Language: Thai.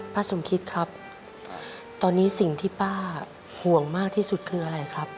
สมคิดครับตอนนี้สิ่งที่ป้าห่วงมากที่สุดคืออะไรครับ